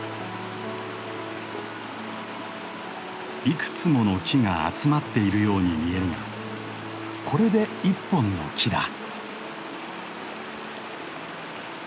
いくつもの木が集まっているように見えるがこれで一本の木だ。